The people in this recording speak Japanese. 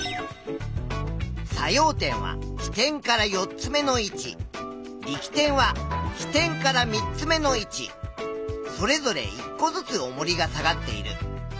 作用点は支点から４つ目の位置力点は支点から３つ目の位置それぞれ１個ずつおもりが下がっている。